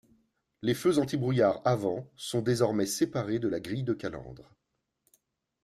Les feux antibrouillard avant sont désormais séparés de la grille de calandre.